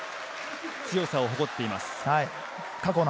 強さを誇っています。